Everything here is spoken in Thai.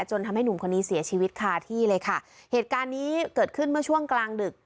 ทำให้หนุ่มคนนี้เสียชีวิตคาที่เลยค่ะเหตุการณ์นี้เกิดขึ้นเมื่อช่วงกลางดึก